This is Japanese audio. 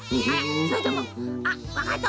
それともわかった。